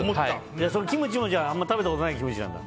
キムチもあんまり食べたことないキムチなんだ？